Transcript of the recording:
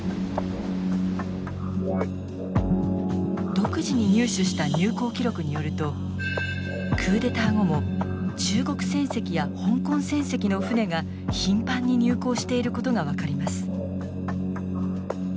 独自に入手した入港記録によるとクーデター後も中国船籍や香港船籍の船が頻繁に入港していることが分かります。